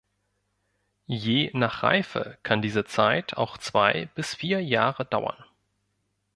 Je nach Reife kann diese Zeit auch zwei bis vier Jahre dauern.